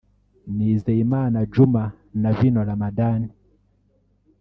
Nizeyimana Djuma na Vino Ramadhan